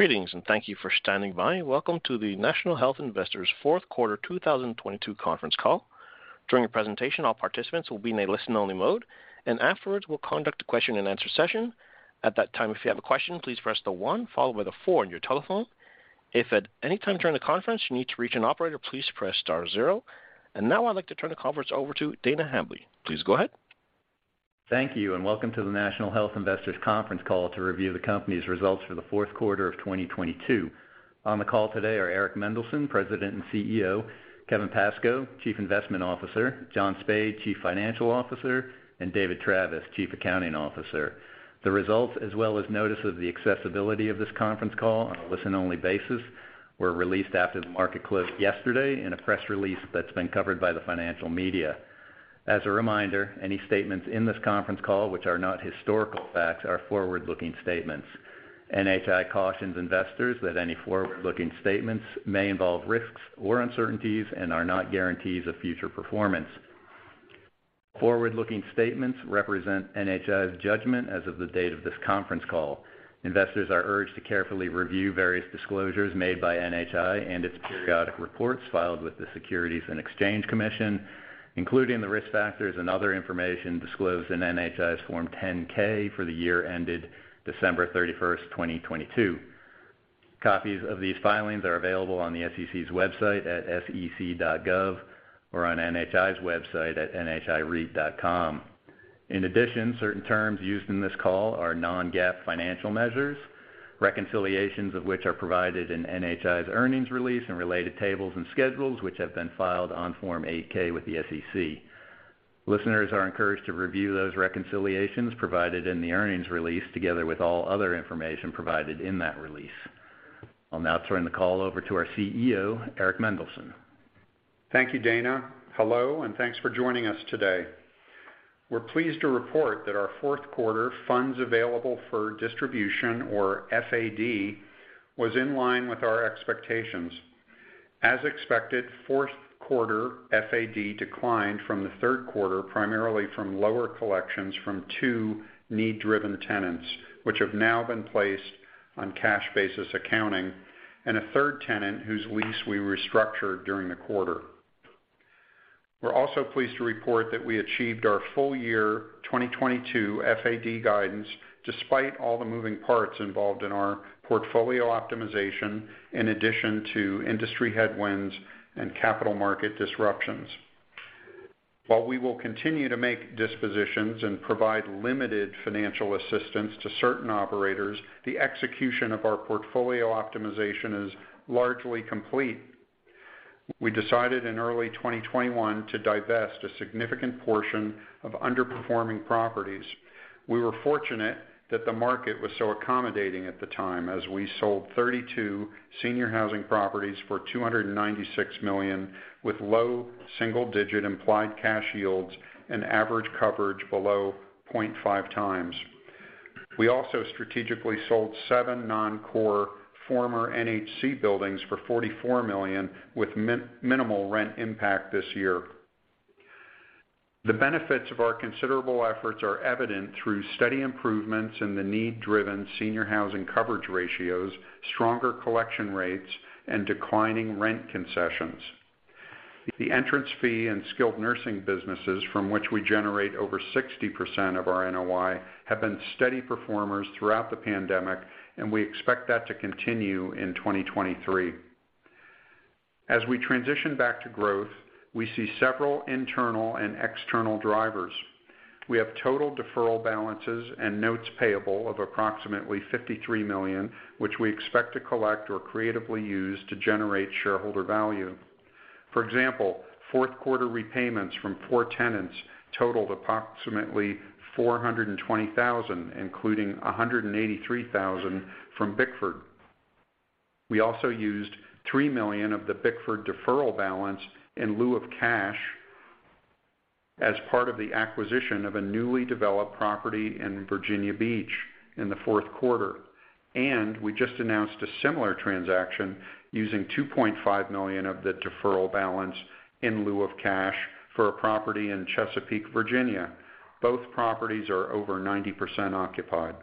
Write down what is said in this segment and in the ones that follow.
Greetings, and thank you for standing by. Welcome to the National Health Investors Fourth Quarter 2022 Conference Call. During the presentation, all participants will be in a listen-only mode, and afterwards, we'll conduct a question-and-answer session. At that time, if you have a question, please press the one followed by the four on your telephone. If at any time during the conference, you need to reach an operator, please press star zero. Now I'd like to turn the conference over to Dana Hambly. Please go ahead. Thank you. Welcome to the National Health Investors Conference Call to review the company's results for the fourth quarter of 2022. On the call today are Eric Mendelsohn, President and CEO; Kevin Pascoe, Chief Investment Officer; John Spaid, Chief Financial Officer; and David Travis, Chief Accounting Officer. The results, as well as notice of the accessibility of this conference call on a listen-only basis, were released after the market closed yesterday in a press release that's been covered by the financial media. As a reminder, any statements in this conference call which are not historical facts are forward-looking statements. NHI cautions investors that any forward-looking statements may involve risks or uncertainties and are not guarantees of future performance. Forward-looking statements represent NHI's judgment as of the date of this conference call. Investors are urged to carefully review various disclosures made by NHI and its periodic reports filed with the Securities and Exchange Commission, including the risk factors and other information disclosed in NHI's Form 10-K for the year ended December 31st, 2022. Copies of these filings are available on the SEC's website at sec.gov or on NHI's website at nhireit.com. In addition, certain terms used in this call are non-GAAP financial measures, reconciliations of which are provided in NHI's earnings release and related tables and schedules, which have been filed on Form 8-K with the SEC. Listeners are encouraged to review those reconciliations provided in the earnings release together with all other information provided in that release. I'll now turn the call over to our CEO, Eric Mendelsohn. Thank you, Dana. Hello, and thanks for joining us today. We're pleased to report that our fourth quarter Funds Available for Distribution or FAD was in line with our expectations. As expected, fourth quarter FAD declined from the third quarter, primarily from lower collections from two need-driven tenants, which have now been placed on cash basis accounting, and a third tenant whose lease we restructured during the quarter. We're also pleased to report that we achieved our full year 2022 FAD guidance despite all the moving parts involved in our portfolio optimization in addition to industry headwinds and capital market disruptions. While we will continue to make dispositions and provide limited financial assistance to certain operators, the execution of our portfolio optimization is largely complete. We decided in early 2021 to divest a significant portion of underperforming properties. We were fortunate that the market was so accommodating at the time as we sold 32 senior housing properties for $296 million with low single-digit implied cash yields and average coverage below 0.5x. We also strategically sold seven non-core former NHC buildings for $44 million with minimal rent impact this year. The benefits of our considerable efforts are evident through steady improvements in the need-driven senior housing coverage ratios, stronger collection rates, and declining rent concessions. The entrance fee and skilled nursing businesses from which we generate over 60% of our NOI have been steady performers throughout the pandemic, and we expect that to continue in 2023. As we transition back to growth, we see several internal and external drivers. We have total deferral balances and notes payable of approximately $53 million, which we expect to collect or creatively use to generate shareholder value. For example, fourth quarter repayments from four tenants totaled approximately $420,000, including $183,000 from Bickford. We also used $3 million of the Bickford deferral balance in lieu of cash as part of the acquisition of a newly developed property in Virginia Beach in the fourth quarter. We just announced a similar transaction using $2.5 million of the deferral balance in lieu of cash for a property in Chesapeake, Virginia. Both properties are over 90% occupied.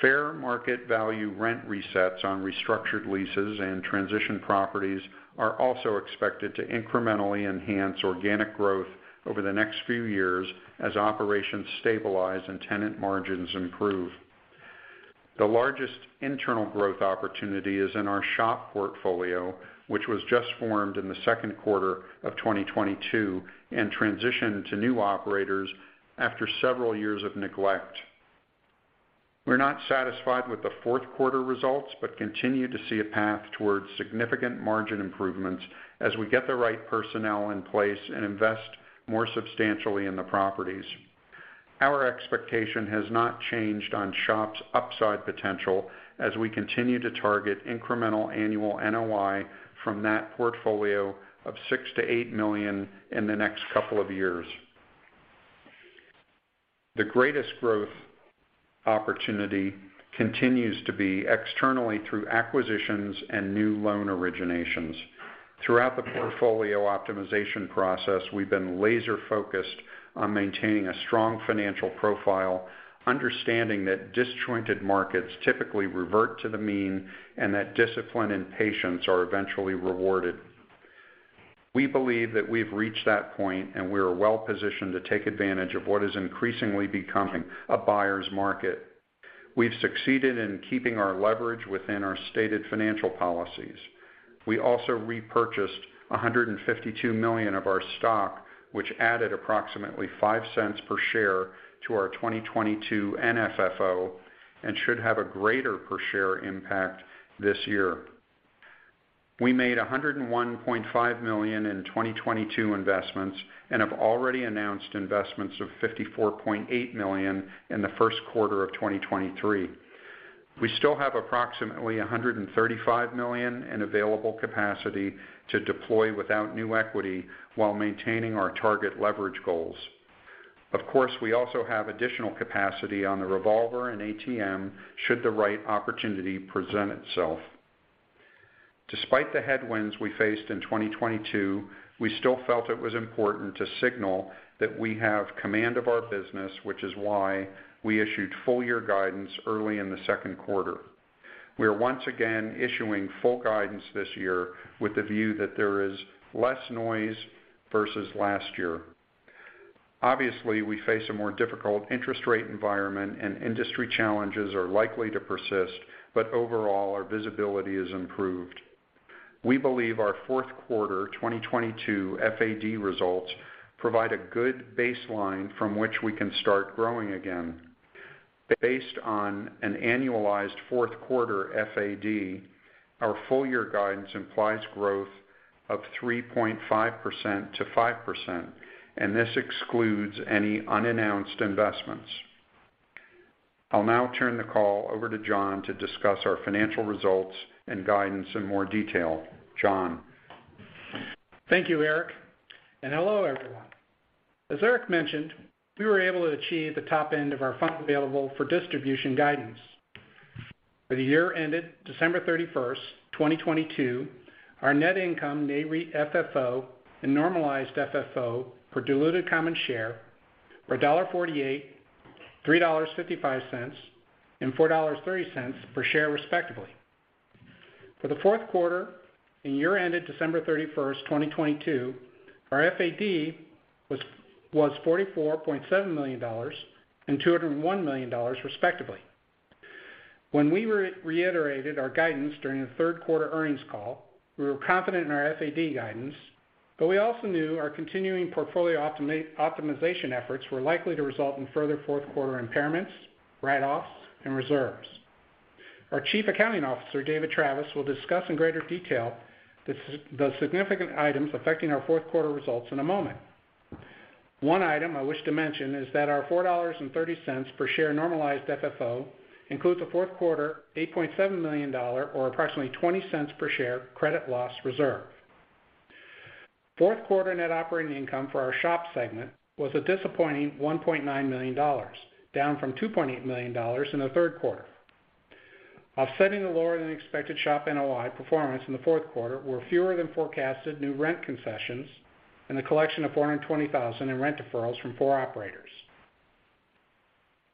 Fair market value rent resets on restructured leases and transition properties are also expected to incrementally enhance organic growth over the next few years as operations stabilize and tenant margins improve. The largest internal growth opportunity is in our SHOP portfolio, which was just formed in the second quarter of 2022 and transitioned to new operators after several years of neglect. We're not satisfied with the fourth quarter results, continue to see a path towards significant margin improvements as we get the right personnel in place and invest more substantially in the properties. Our expectation has not changed on SHOP's upside potential as we continue to target incremental annual NOI from that portfolio of $6 million-$8 million in the next couple of years. The greatest growth opportunity continues to be externally through acquisitions and new loan originations. Throughout the portfolio optimization process, we've been laser-focused on maintaining a strong financial profile, understanding that disjointed markets typically revert to the mean and that discipline and patience are eventually rewarded. We believe that we've reached that point, and we are well-positioned to take advantage of what is increasingly becoming a buyer's market. We've succeeded in keeping our leverage within our stated financial policies. We also repurchased $152 million of our stock, which added approximately $0.05 per share to our 2022 NFFO and should have a greater per share impact this year. We made $101.5 million in 2022 investments and have already announced investments of $54.8 million in the first quarter of 2023. We still have approximately $135 million in available capacity to deploy without new equity while maintaining our target leverage goals. Of course, we also have additional capacity on the revolver and ATM should the right opportunity present itself. Despite the headwinds we faced in 2022, we still felt it was important to signal that we have command of our business, which is why we issued full year guidance early in the second quarter. We are once again issuing full guidance this year with the view that there is less noise versus last year. Obviously, we face a more difficult interest rate environment and industry challenges are likely to persist, but overall, our visibility is improved. We believe our fourth quarter 2022 FAD results provide a good baseline from which we can start growing again. Based on an annualized fourth quarter FAD, our full year guidance implies growth of 3.5% to 5%. This excludes any unannounced investments. I'll now turn the call over to John to discuss our financial results and guidance in more detail. John. Thank you, Eric, and hello, everyone. As Eric mentioned, we were able to achieve the top end of our Funds Available for Distribution guidance. For the year ended December 31st, 2022, our net income, Nareit FFO, and Normalized FFO per diluted common share were $1.48, $3.55, and $4.30 per share, respectively. For the fourth quarter and year ended December 31st, 2022, our FAD was $44.7 million and $201 million, respectively. When we reiterated our guidance during the third quarter earnings call, we were confident in our FAD guidance, but we also knew our continuing portfolio optimization efforts were likely to result in further fourth quarter impairments, write-offs, and reserves. Our Chief Accounting Officer, David Travis, will discuss in greater detail the significant items affecting our fourth quarter results in a moment. One item I wish to mention is that our $4.30 per share Normalized FFO includes a fourth quarter $8.7 million or approximately $0.20 per share credit loss reserve. Fourth quarter net operating income for our SHOP segment was a disappointing $1.9 million, down from $2.8 million in the third quarter. Offsetting the lower than expected SHOP NOI performance in the fourth quarter were fewer than forecasted new rent concessions and the collection of $420,000 in rent deferrals from four operators.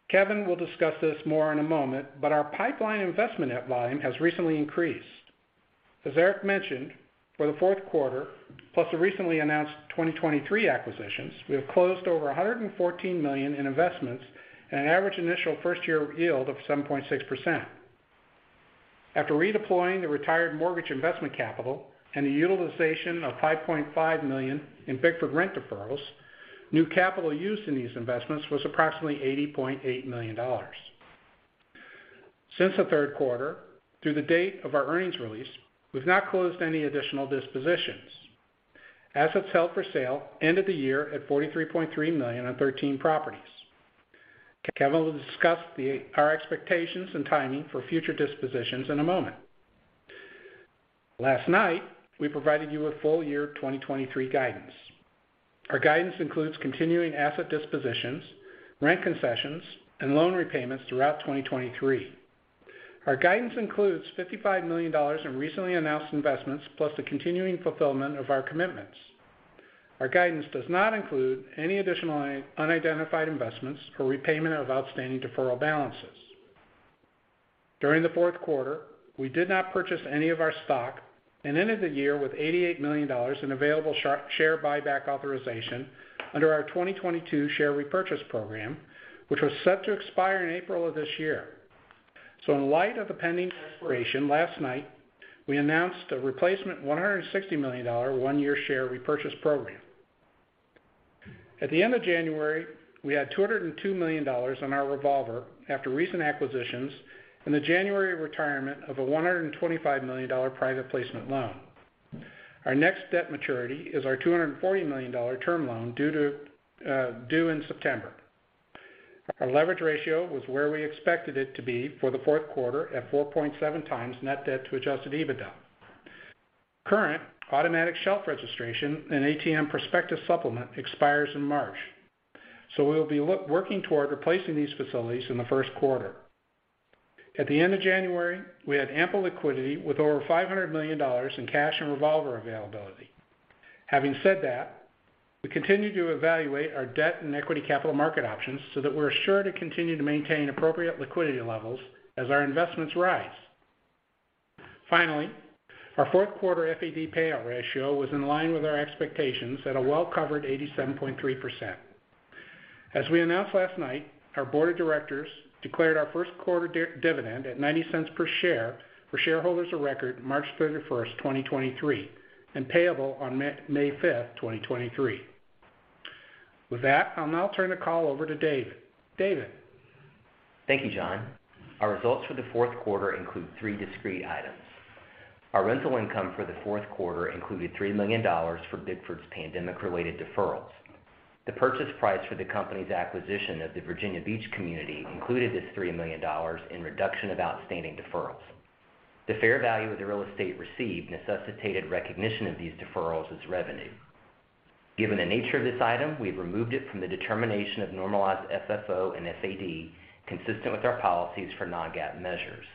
Kevin will discuss this more in a moment, our pipeline investment volume has recently increased. As Eric mentioned, for the fourth quarter, plus the recently announced 2023 acquisitions, we have closed over $114 million in investments at an average initial first-year yield of 7.6%. After redeploying the retired mortgage investment capital and the utilization of $5.5 million in Bickford rent deferrals, new capital used in these investments was approximately $80.8 million. Since the third quarter, through the date of our earnings release, we've not closed any additional dispositions. Assets held for sale ended the year at $43.3 million on 13 properties. Kevin will discuss our expectations and timing for future dispositions in a moment. Last night, we provided you with full year 2023 guidance. Our guidance includes continuing asset dispositions, rent concessions, and loan repayments throughout 2023. Our guidance includes $55 million in recently announced investments plus the continuing fulfillment of our commitments. Our guidance does not include any additional unidentified investments or repayment of outstanding deferral balances. During the fourth quarter, we did not purchase any of our stock and ended the year with $88 million in available share buyback authorization under our 2022 share repurchase program, which was set to expire in April of this year. In light of the pending expiration last night, we announced a replacement $160 million one-year share repurchase program. At the end of January, we had $202 million in our revolver after recent acquisitions and the January retirement of a $125 million private placement loan. Our next debt maturity is our $240 million term loan due in September. Our leverage ratio was where we expected it to be for the fourth quarter at 4.7x net debt to Adjusted EBITDA. Current automatic shelf registration and ATM prospectus supplement expires in March. We'll be working toward replacing these facilities in the first quarter. At the end of January, we had ample liquidity with over $500 million in cash and revolver availability. Having said that, we continue to evaluate our debt and equity capital market options so that we're assured to continue to maintain appropriate liquidity levels as our investments rise. Finally, our fourth quarter FAD payout ratio was in line with our expectations at a well-covered 87.3%. As we announced last night, our board of directors declared our first quarter dividend at $0.90 per share for shareholders of record March 31, 2023, and payable on May 5th, 2023. With that, I'll now turn the call over to David. David? Thank you, John. Our results for the fourth quarter include three discrete items. Our rental income for the fourth quarter included $3 million for Bickford's pandemic-related deferrals. The purchase price for the company's acquisition of the Virginia Beach community included this $3 million in reduction of outstanding deferrals. The fair value of the real estate received necessitated recognition of these deferrals as revenue. Given the nature of this item, we've removed it from the determination of Normalized FFO and FAD, consistent with our policies for non-GAAP measures.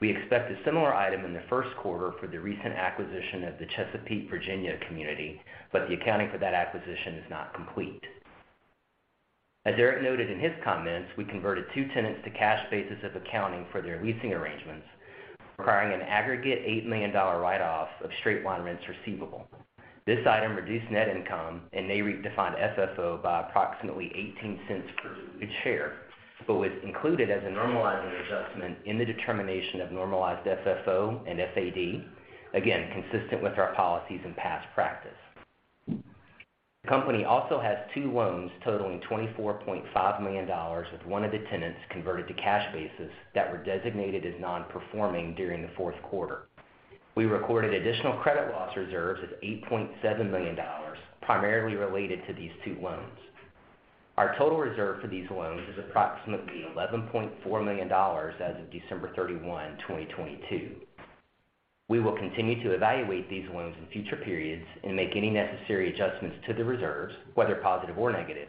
We expect a similar item in the first quarter for the recent acquisition of the Chesapeake, Virginia community. The accounting for that acquisition is not complete. As Eric noted in his comments, we converted two tenants to cash basis of accounting for their leasing arrangements, requiring an aggregate $8 million write-off of straight-line rents receivable. This item reduced net income and may redefine FFO by approximately $0.18 per diluted share, but was included as a normalizing adjustment in the determination of Normalized FFO and FAD, again, consistent with our policies and past practice. The company also has two loans totaling $24.5 million, with one of the tenants converted to cash basis that were designated as non-performing during the fourth quarter. We recorded additional credit loss reserves of $8.7 million, primarily related to these two loans. Our total reserve for these loans is approximately $11.4 million as of December 31, 2022. We will continue to evaluate these loans in future periods and make any necessary adjustments to the reserves, whether positive or negative,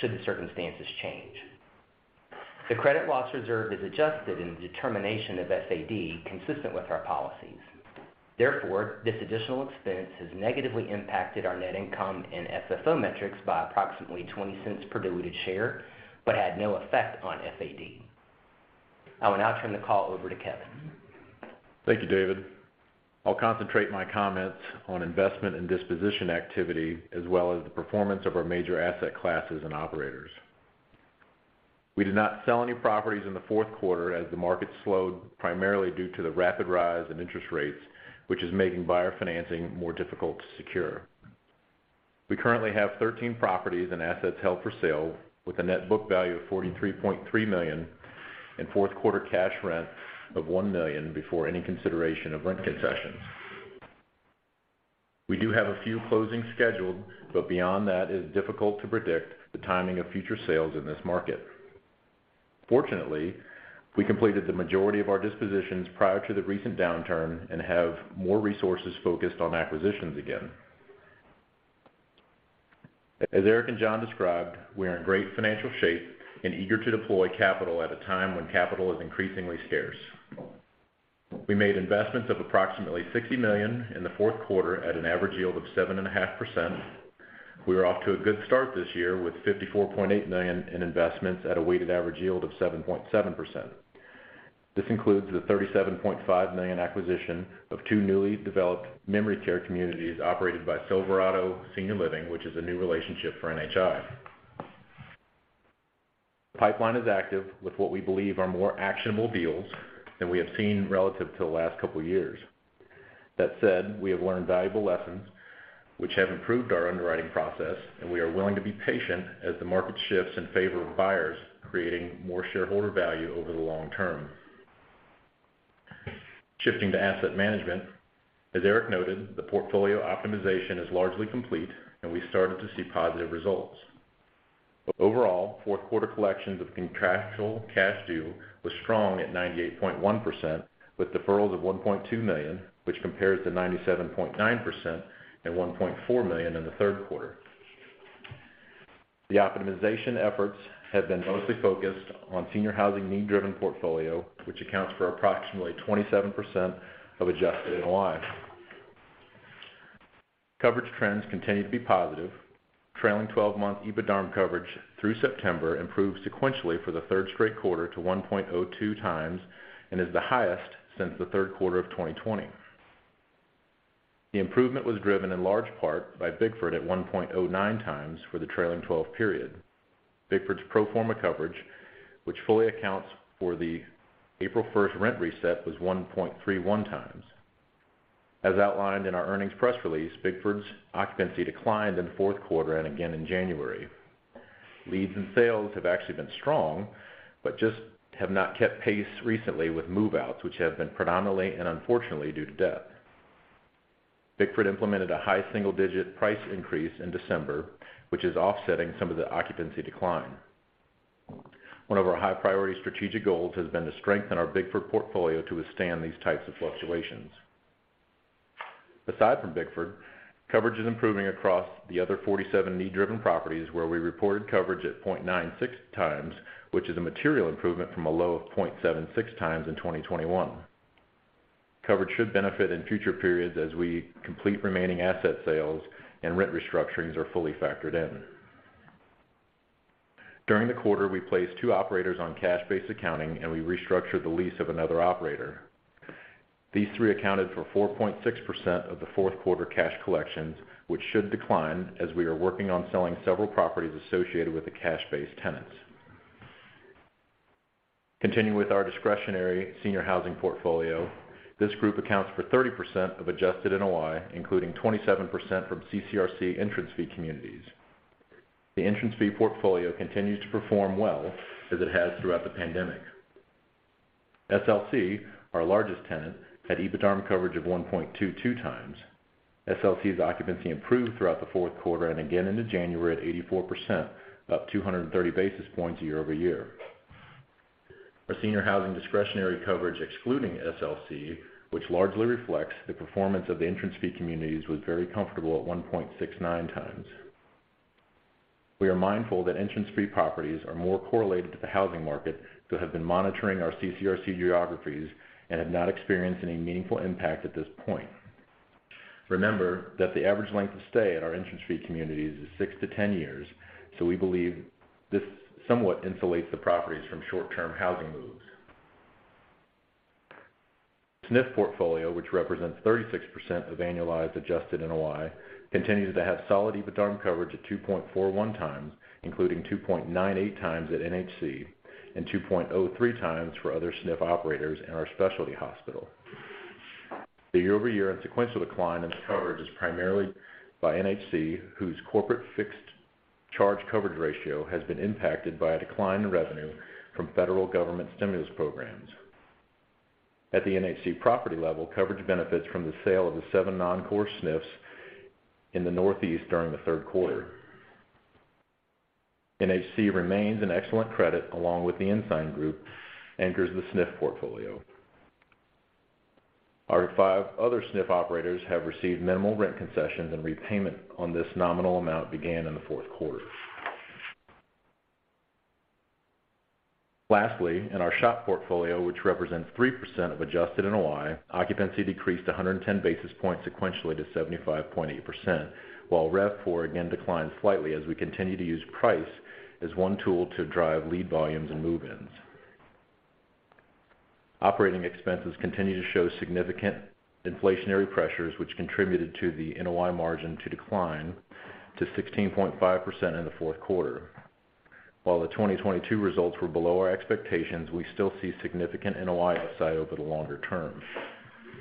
should the circumstances change. The credit loss reserve is adjusted in the determination of FAD consistent with our policies. This additional expense has negatively impacted our net income and FFO metrics by approximately $0.20 per diluted share, but had no effect on FAD. I will now turn the call over to Kevin. Thank you, David. I'll concentrate my comments on investment and disposition activity, as well as the performance of our major asset classes and operators. We did not sell any properties in the fourth quarter as the market slowed primarily due to the rapid rise in interest rates, which is making buyer financing more difficult to secure. We currently have 13 properties and assets held for sale with a net book value of $43.3 million and fourth quarter cash rents of $1 million before any consideration of rent concessions. We do have a few closings scheduled, beyond that, it is difficult to predict the timing of future sales in this market. Fortunately, we completed the majority of our dispositions prior to the recent downturn and have more resources focused on acquisitions again. As Eric and John described, we are in great financial shape and eager to deploy capital at a time when capital is increasingly scarce. We made investments of approximately $60 million in the fourth quarter at an average yield of 7.5%. We are off to a good start this year with $54.8 million in investments at a weighted average yield of 7.7%. This includes the $37.5 million acquisition of two newly developed memory care communities operated by Silverado Senior Living, which is a new relationship for NHI. The pipeline is active with what we believe are more actionable deals than we have seen relative to the last couple of years. That said, we have learned valuable lessons which have improved our underwriting process, and we are willing to be patient as the market shifts in favor of buyers, creating more shareholder value over the long term. Shifting to asset management, as Eric noted, the portfolio optimization is largely complete, and we started to see positive results. Overall, fourth quarter collections of contractual cash due was strong at 98.1%, with deferrals of $1.2 million, which compares to 97.9% and $1.4 million in the third quarter. The optimization efforts have been mostly focused on senior housing need-driven portfolio, which accounts for approximately 27% of Adjusted NOI. Coverage trends continue to be positive. Trailing 12-month EBITDA coverage through September improved sequentially for the third straight quarter to 1.02x and is the highest since the third quarter of 2020. The improvement was driven in large part by Bickford at 1.09x for the trailing 12 period. Bickford's pro forma coverage, which fully accounts for the April 1st rent reset, was 1.31x. As outlined in our earnings press release, Bickford's occupancy declined in the fourth quarter and again in January. Leads and sales have actually been strong, just have not kept pace recently with move-outs, which have been predominantly and unfortunately due to death. Bickford implemented a high single-digit price increase in December, which is offsetting some of the occupancy decline. One of our high-priority strategic goals has been to strengthen our Bickford portfolio to withstand these types of fluctuations. Aside from Bickford, coverage is improving across the other 47 need-driven properties where we reported coverage at 0.96x, which is a material improvement from a low of 0.76x in 2021. Coverage should benefit in future periods as we complete remaining asset sales and rent restructurings are fully factored in. During the quarter, we placed two operators on cash-based accounting, and we restructured the lease of another operator. These three accounted for 4.6% of the fourth quarter cash collections, which should decline as we are working on selling several properties associated with the cash-based tenants. Continuing with our discretionary senior housing portfolio, this group accounts for 30% of Adjusted NOI, including 27% from CCRC entrance fee communities. The entrance fee portfolio continues to perform well as it has throughout the pandemic. SLC, our largest tenant, had EBITDARM coverage of 1.22x. SLC's occupancy improved throughout the fourth quarter and again into January at 84%, up 230 basis points year-over-year. Our senior housing discretionary coverage excluding SLC, which largely reflects the performance of the entrance fee communities, was very comfortable at 1.69x. We are mindful that entrance fee properties are more correlated to the housing market, so have been monitoring our CCRC geographies and have not experienced any meaningful impact at this point. Remember that the average length of stay at our entrance fee communities is six-10 years, so we believe this somewhat insulates the properties from short-term housing moves. SNF portfolio, which represents 36% of annualized Adjusted NOI, continues to have solid EBITDARM coverage at 2.41x, including 2.98x at NHC and 2.03x for other SNF operators in our specialty hospital. The year-over-year and sequential decline in coverage is primarily by NHC, whose corporate fixed charge coverage ratio has been impacted by a decline in revenue from federal government stimulus programs. At the NHC property level, coverage benefits from the sale of the seven non-core SNFs in the Northeast during the third quarter. NHC remains an excellent credit along with the Ensign Group, anchors the SNF portfolio. Our five other SNF operators have received minimal rent concessions and repayment on this nominal amount began in the fourth quarter. In our SHOP portfolio, which represents 3% of Adjusted NOI, occupancy decreased 110 basis points sequentially to 75.8%, while RevPOR again declined slightly as we continue to use price as one tool to drive lead volumes and move-ins. Operating expenses continue to show significant inflationary pressures, which contributed to the NOI margin to decline to 16.5% in the fourth quarter. While the 2022 results were below our expectations, we still see significant NOI upside over the longer term.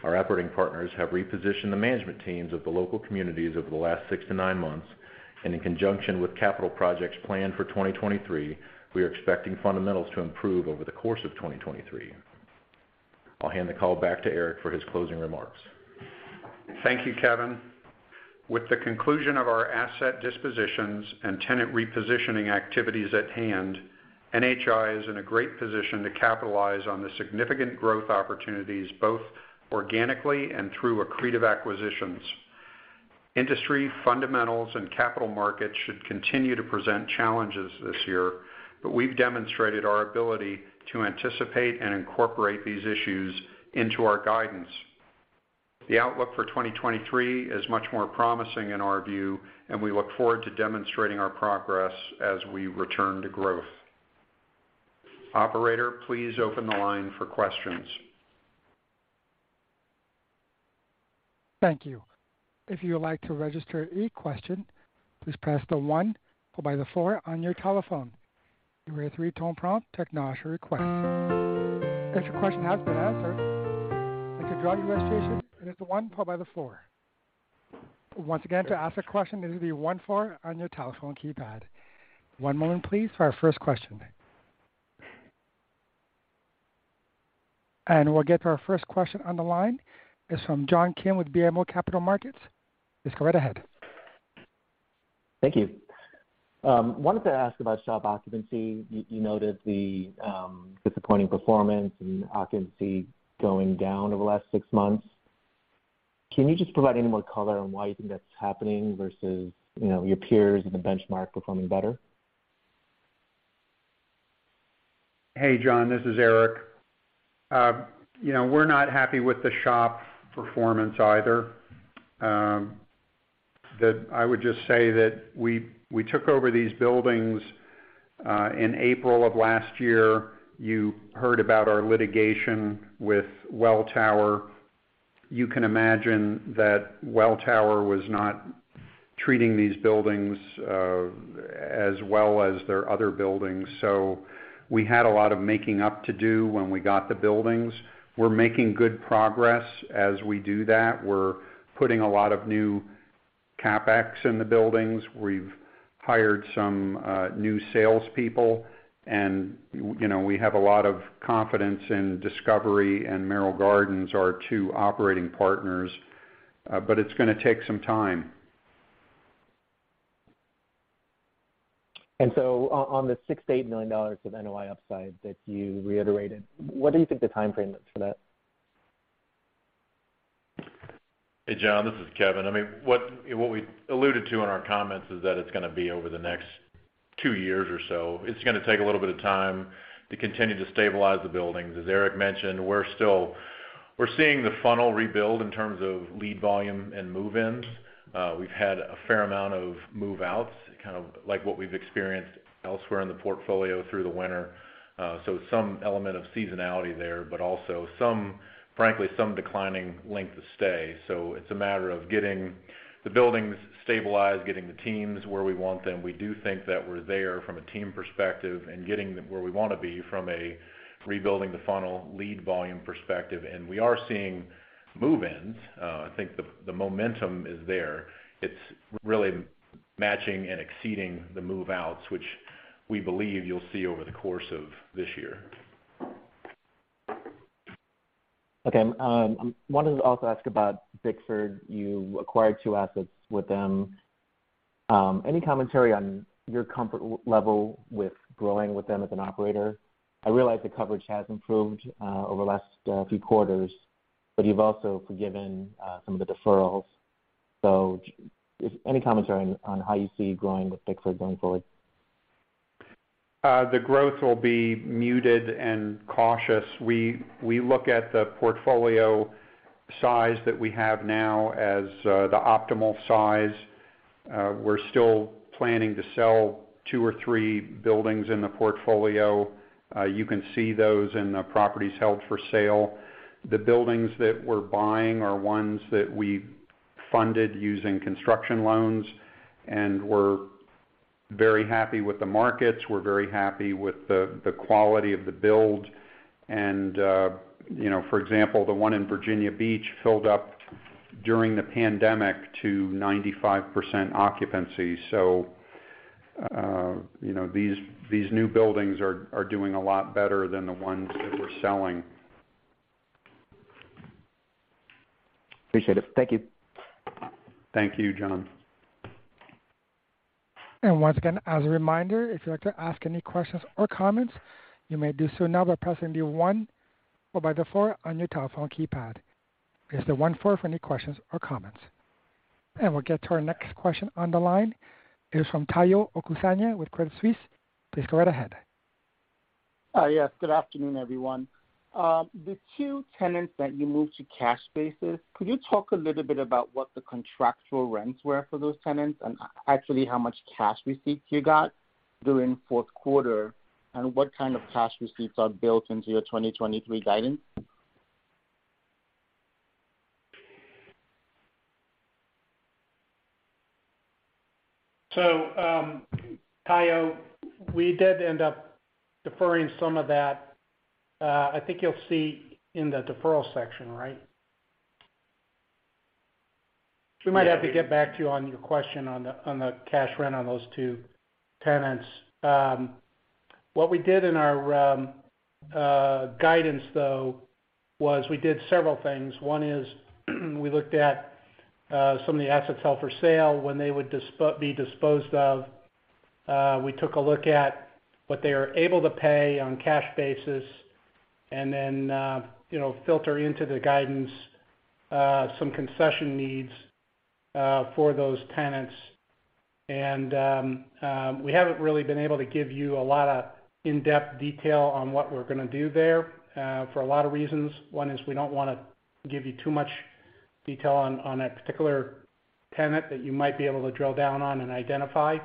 Our operating partners have repositioned the management teams of the local communities over the last six-nine months. In conjunction with capital projects planned for 2023, we are expecting fundamentals to improve over the course of 2023. I'll hand the call back to Eric for his closing remarks. Thank you, Kevin. With the conclusion of our asset dispositions and tenant repositioning activities at hand, NHI is in a great position to capitalize on the significant growth opportunities, both organically and through accretive acquisitions. Industry fundamentals and capital markets should continue to present challenges this year. We've demonstrated our ability to anticipate and incorporate these issues into our guidance. The outlook for 2023 is much more promising in our view. We look forward to demonstrating our progress as we return to growth. Operator, please open the line for questions. Thank you. If you would like to register a question, please press the one followed by the four on your telephone. You will hear a three-tone prompt to acknowledge your request. If your question has been answered and you'd like to withdraw your registration, press the one followed by the four. Once again, to ask a question, it is the one four on your telephone keypad. One moment, please, for our first question. We'll get to our first question on the line. It's from John Kim with BMO Capital Markets. Please go right ahead. Thank you. Wanted to ask about SHOP occupancy. You noted the disappointing performance and occupancy going down over the last six months. Can you just provide any more color on why you think that's happening versus, you know, your peers and the benchmark performing better? Hey, John, this is Eric. You know, we're not happy with the SHOP performance either. I would just say that we took over these buildings in April of last year. You heard about our litigation with Welltower. You can imagine that Welltower was not treating these buildings as well as their other buildings. We had a lot of making up to do when we got the buildings. We're making good progress as we do that. We're putting a lot of new CapEx in the buildings. We've hired some new salespeople, you know, we have a lot of confidence in Discovery and Merrill Gardens, our two operating partners, it's gonna take some time. On the $6 million-$8 million of NOI upside that you reiterated, what do you think the time frame is for that? Hey, John, this is Kevin. I mean, what we alluded to in our comments is that it's gonna be over the next two years or so. It's gonna take a little bit of time to continue to stabilize the buildings. As Eric mentioned, we're seeing the funnel rebuild in terms of lead volume and move-ins. We've had a fair amount of move-outs, kind of like what we've experienced elsewhere in the portfolio through the winter. Some element of seasonality there, but also frankly, some declining length of stay. It's a matter of getting the buildings stabilized, getting the teams where we want them. We do think that we're there from a team perspective and getting them where we wanna be from a rebuilding the funnel lead volume perspective. We are seeing move-ins. I think the momentum is there. It's really matching and exceeding the move-outs, which we believe you'll see over the course of this year. Wanted to also ask about Bickford. You acquired assets with them. Any commentary on your comfort level with growing with them as an operator? I realize the coverage has improved over the last few quarters, but you've also forgiven some of the deferrals. Just any commentary on how you see growing with Bickford going forward? The growth will be muted and cautious. We look at the portfolio size that we have now as the optimal size. We're still planning to sell two or three buildings in the portfolio. You can see those in the properties held for sale. The buildings that we're buying are ones that we funded using construction loans, and we're very happy with the markets. We're very happy with the quality of the build and, you know, for example, the one in Virginia Beach filled up during the pandemic to 95% occupancy. You know, these new buildings are doing a lot better than the ones that we're selling. Appreciate it. Thank you. Thank you, John. Once again, as a reminder, if you'd like to ask any questions or comments, you may do so now by pressing the one or by the four on your telephone keypad. It's the one-four for any questions or comments. We'll get to our next question on the line. It is from Tayo Okusanya with Credit Suisse. Please go right ahead. Hi. Yes, good afternoon, everyone. The two tenants that you moved to cash basis, could you talk a little bit about what the contractual rents were for those tenants and actually how much cash receipts you got during fourth quarter, and what kind of cash receipts are built into your 2023 guidance? Tayo, we did end up deferring some of that, I think you'll see in the deferral section, right? We might have to get back to you on your question on the cash rent on those two tenants. What we did in our guidance though was we did several things. One is we looked at some of the assets held for sale when they would be disposed of. We took a look at what they are able to pay on cash basis and then, you know, filter into the guidance, some concession needs for those tenants. We haven't really been able to give you a lot of in-depth detail on what we're gonna do there for a lot of reasons. One is we don't wanna give you too much detail on a particular tenant that you might be able to drill down on and identify.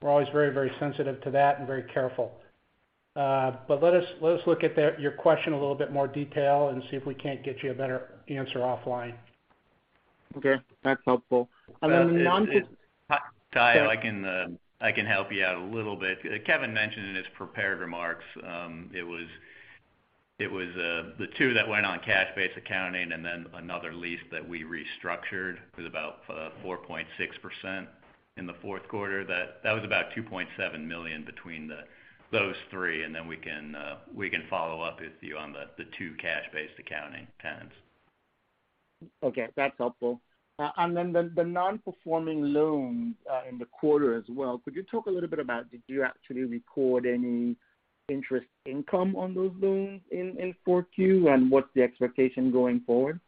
We're always very sensitive to that and very careful. Let us look at your question a little bit more detail and see if we can't get you a better answer offline. Okay. That's helpful. non. It's- Go- Tayo, I can help you out a little bit. Kevin mentioned in his prepared remarks, it was the two that went on cash-based accounting and then another lease that we restructured. It was about 4.6% in the fourth quarter. That was about $2.7 million between those three, and then we can follow up with you on the two cash-based accounting tenants. Okay. That's helpful. The non-performing loans, in the quarter as well, could you talk a little bit about did you actually record any interest income on those loans in 4Q, and what's the expectation going forward?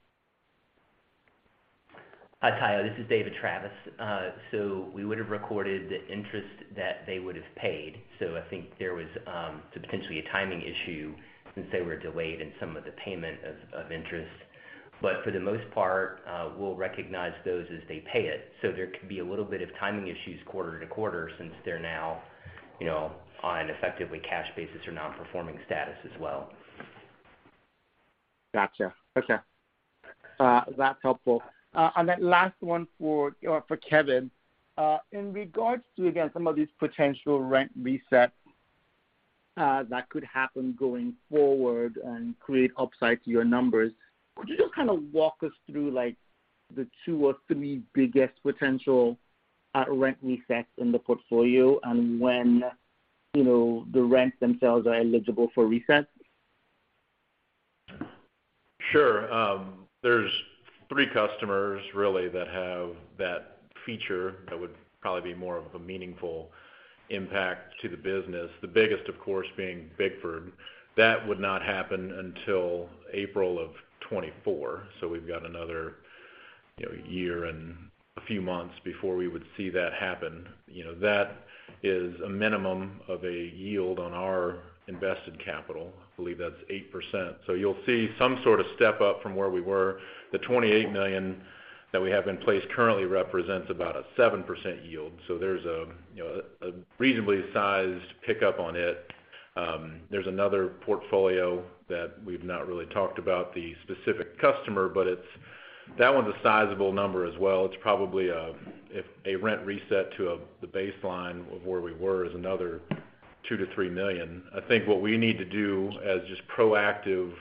Hi, Tayo. This is David Travis. We would have recorded the interest that they would have paid. I think there was potentially a timing issue since they were delayed in some of the payment of interest. For the most part, we'll recognize those as they pay it. There could be a little bit of timing issues quarter-to-quarter since they're now, you know, on effectively cash basis or non-performing status as well. Gotcha. Okay. that's helpful. and then last one for Kevin. in regards to, again, some of these potential rent resets, that could happen going forward and create upside to your numbers, could you just kinda walk us through like the two or three biggest potential, rent resets in the portfolio and when, you know, the rents themselves are eligible for reset? Sure. There's three customers really that have that feature that would probably be more of a meaningful impact to the business. The biggest, of course, being Bickford. That would not happen until April of 2024, so we've got another, you know, year and a few months before we would see that happen. You know, that is a minimum of a yield on our invested capital. I believe that's 8%. You'll see some sort of step up from where we were. The $28 million that we have in place currently represents about a 7% yield, there's a, you know, a reasonably sized pickup on it. There's another portfolio that we've not really talked about, the specific customer, but that one's a sizable number as well. It's probably if a rent reset to the baseline of where we were is another $2 million-$3 million. I think what we need to do as just proactive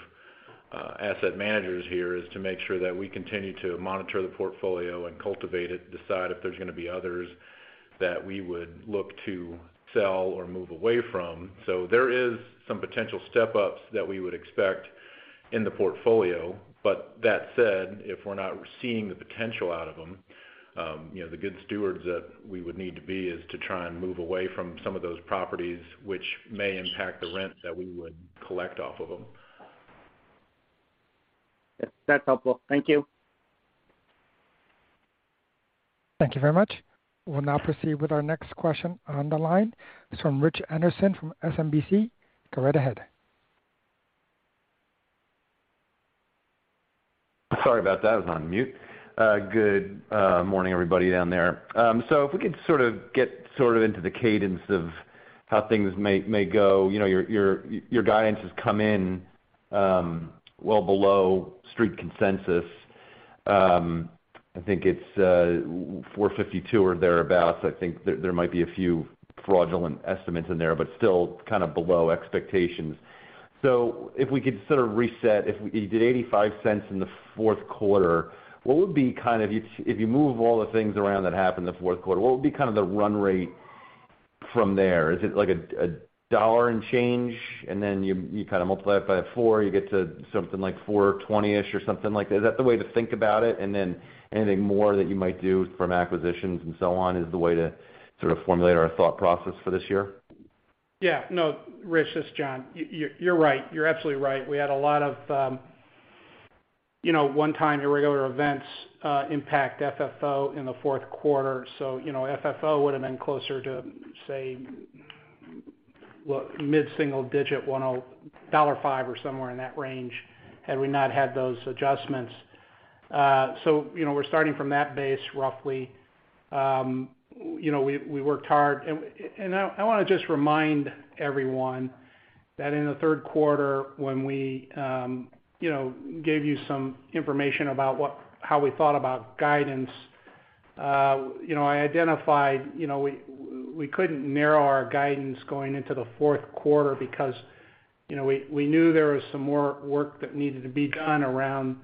asset managers here is to make sure that we continue to monitor the portfolio and cultivate it, decide if there's gonna be others that we would look to sell or move away from. There is some potential step-ups that we would expect in the portfolio. That said, if we're not seeing the potential out of them, you know, the good stewards that we would need to be is to try and move away from some of those properties which may impact the rent that we would collect off of them. Yes, that's helpful. Thank you. Thank you very much. We'll now proceed with our next question on the line. It's from Rich Anderson from SMBC. Go right ahead. Sorry about that. I was on mute. Good morning, everybody down there. If we could sort of get sort of into the cadence of how things may go. You know, your, your guidance has come in, well below street consensus. I think it's $4.52 or thereabout. I think there might be a few fraudulent estimates in there, but still kind of below expectations. If we could sort of reset. You did $0.85 in the fourth quarter, what would be kind of—if you move all the things around that happened in the fourth quarter, what would be kind of the run rate from there? Is it like a $1 and change, and then you kind of multiply it by four, you get to something like $4.20-ish or something like that? Is that the way to think about it? Anything more that you might do from acquisitions and so on is the way to sort of formulate our thought process for this year? No. Rich, this is John. You're right. You're absolutely right. We had a lot of, you know, one-time irregular events, impact FFO in the fourth quarter. you know, FFO would've been closer to, say, well, mid-single digit, $1.05 or somewhere in that range had we not had those adjustments. you know, we're starting from that base roughly. you know, we worked hard. I wanna just remind everyone that in the third quarter, when we, you know, gave you some information about how we thought about guidance, you know, I identified, you know, we couldn't narrow our guidance going into the fourth quarter because, you know, we knew there was some more work that needed to be done around,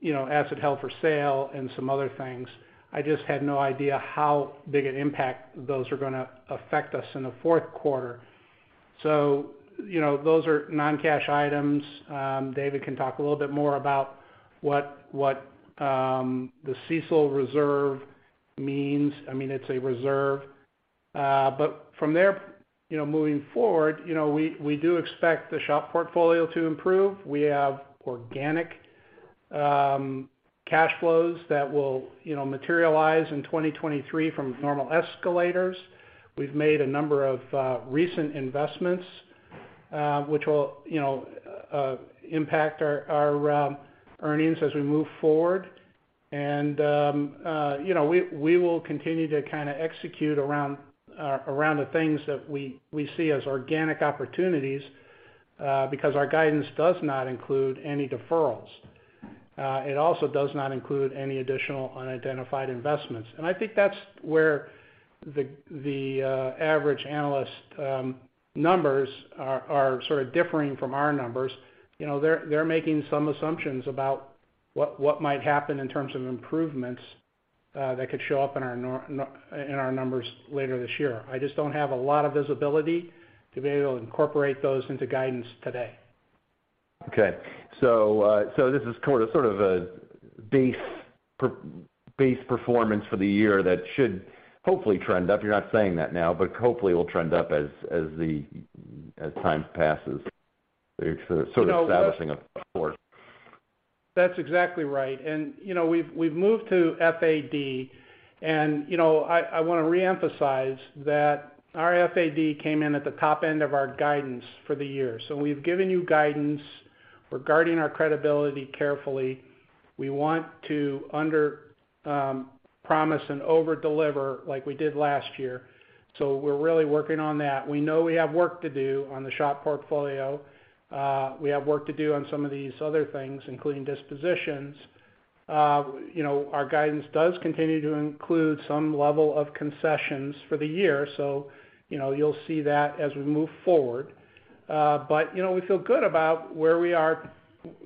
you know, asset held for sale and some other things. I just had no idea how big an impact those were gonna affect us in the fourth quarter. You know, those are non-cash items. David can talk a little bit more about what the CECL reserve means. I mean, it's a reserve. From there, you know, moving forward, you know, we do expect the SHOP portfolio to improve. We have organic cash flows that will, you know, materialize in 2023 from normal escalators. We've made a number of recent investments, which will, you know, impact our earnings as we move forward. You know, we will continue to kinda execute around the things that we see as organic opportunities, because our guidance does not include any deferrals. It also does not include any additional unidentified investments. I think that's where the average analyst numbers are sort of differing from our numbers. You know, they're making some assumptions about what might happen in terms of improvements that could show up in our numbers later this year. I just don't have a lot of visibility to be able to incorporate those into guidance today. Okay. so this is sort of a base performance for the year that should hopefully trend up. You're not saying that now, but hopefully will trend up as the, as time passes. You're sort of- You know.... etablishing a course. That's exactly right. you know, we've moved to FAD. you know, I wanna reemphasize that our FAD came in at the top end of our guidance for the year. We've given you guidance. We're guarding our credibility carefully. We want to under promise and overdeliver like we did last year, We're really working on that. We know we have work to do on the SHOP portfolio. We have work to do on some of these other things, including dispositions. you know, our guidance does continue to include some level of concessions for the year, you know, you'll see that as we move forward. but, you know, we feel good about where we are,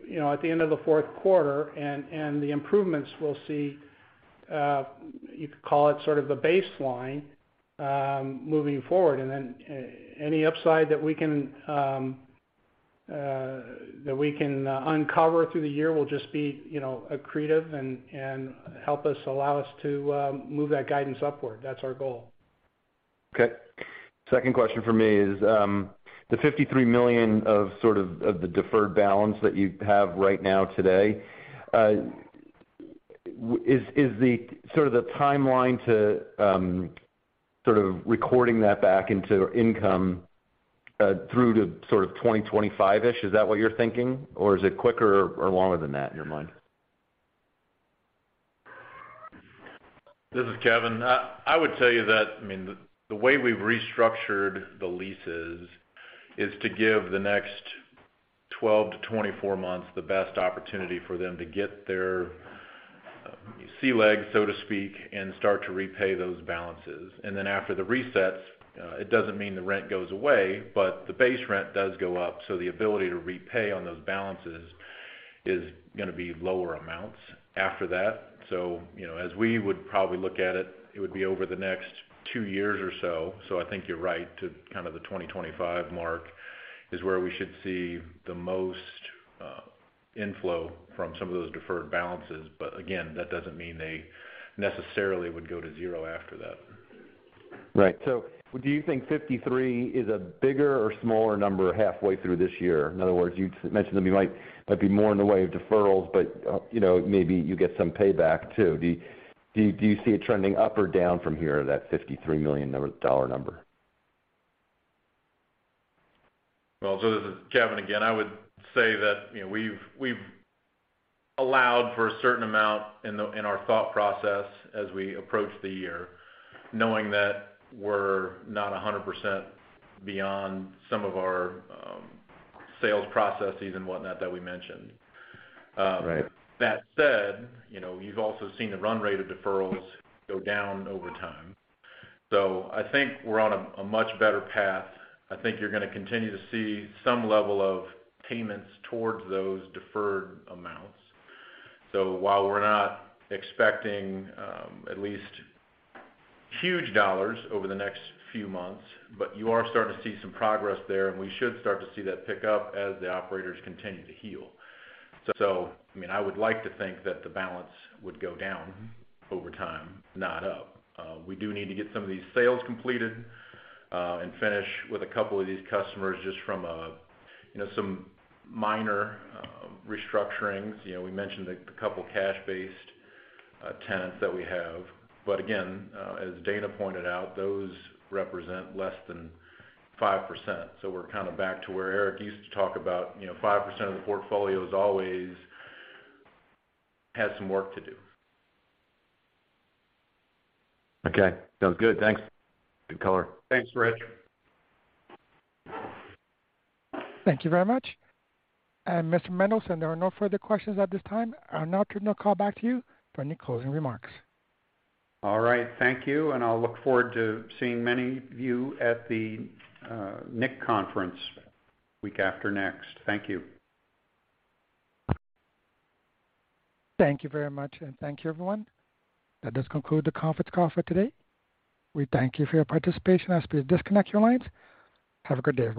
you know, at the end of the fourth quarter and the improvements we'll see. You could call it sort of the baseline, moving forward. Any upside that we can, that we can uncover through the year will just be, you know, accretive and help us, allow us to move that guidance upward. That's our goal. Second question from me is, the $53 million of the deferred balance that you have right now today, is the sort of the timeline to sort of recording that back into income through to sort of 2025-ish, is that what you're thinking? Or is it quicker or longer than that, in your mind? This is Kevin. I would tell you that, I mean, the way we've restructured the leases is to give the next 12-24 months the best opportunity for them to get their sea legs, so to speak, and start to repay those balances. After the resets, it doesn't mean the rent goes away, but the base rent does go up, so the ability to repay on those balances is gonna be lower amounts after that. You know, as we would probably look at it would be over the next two years or so. I think you're right to kind of the 2025 mark is where we should see the most inflow from some of those deferred balances. Again, that doesn't mean they necessarily would go to zero after that. Right. Do you think 53 is a bigger or smaller number halfway through this year? In other words, you mentioned that there might be more in the way of deferrals, but, you know, maybe you get some payback too. Do you see it trending up or down from here, that $53 million number, dollar number? This is Kevin again. I would say that, you know, we've allowed for a certain amount in our thought process as we approach the year, knowing that we're not 100% beyond some of our sales processes and whatnot that we mentioned. Right. That said, you know, you've also seen the run rate of deferrals go down over time. I think we're on a much better path. I think you're gonna continue to see some level of payments towards those deferred amounts. While we're not expecting, at least huge dollars over the next few months, but you are starting to see some progress there, and we should start to see that pick up as the operators continue to heal. I mean, I would like to think that the balance would go down over time, not up. We do need to get some of these sales completed, and finish with a couple of these customers just from, you know, some minor restructurings. You know, we mentioned a couple cash-based tenants that we have. Again, as Dana pointed out, those represent less than 5%. We're kind of back to where Eric used to talk about, you know, 5% of the portfolio's always had some work to do. Okay. Sounds good. Thanks. Good color. Thanks, Rich. Thank you very much. Mr. Mendelsohn, there are no further questions at this time. I'll now turn the call back to you for any closing remarks. All right, thank you, and I'll look forward to seeing many of you at the NIC conference week after next. Thank you. Thank you very much, and thank you, everyone. That does conclude the conference call for today. We thank you for your participation. I ask that you disconnect your lines. Have a great day.